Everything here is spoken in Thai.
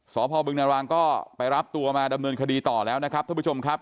พบึงนารางก็ไปรับตัวมาดำเนินคดีต่อแล้วนะครับท่านผู้ชมครับ